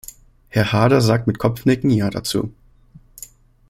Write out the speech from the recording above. Herr Haarder sagt mit Kopfnicken Ja dazu.